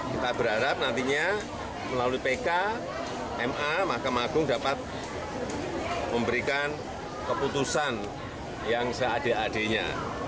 kita berharap nantinya melalui pk ma mahkamah agung dapat memberikan keputusan yang seade adilnya